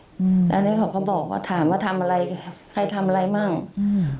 อืมแล้วอันนี้เขาก็บอกว่าถามว่าทำอะไรใครทำอะไรมั่งอืม